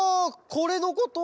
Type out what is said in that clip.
これのこと？